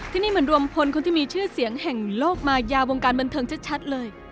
ที่นี่เหมือนรวมพลคนที่มีชื่อเสียงแห่งโลกมายาววงการบันเทิงชัดเลย